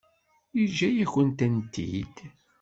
Yeǧǧa-yakent-tent-id.